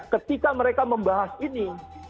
ketika mereka membahas ini